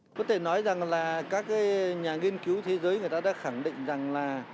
có thể nói rằng là các nhà nghiên cứu thế giới người ta đã khẳng định rằng là